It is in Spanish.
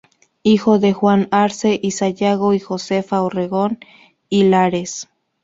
Hijo de Juan Arce y Sayago y Josefa Orrego y Lares.